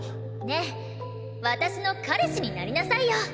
ねえ私の彼氏になりなさいよ！